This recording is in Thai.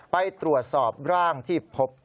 ไปตรวจสอบร่างที่พบ